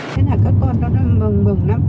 thế là các con nó mừng mừng lắm